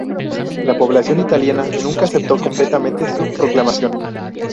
La población italiana nunca aceptó completamente su proclamación.